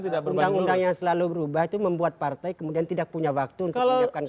undang undang yang selalu berubah itu membuat partai kemudian tidak punya waktu untuk menyiapkan kekuasaan